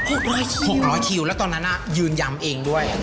๖๐๐คิวแล้วตอนนั้นยืนยำเองด้วย